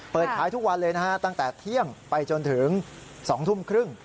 เปิดขายทุกวันเลยนะฮะตั้งแต่เที่ยงไปจนถึง๒ทุ่มครึ่ง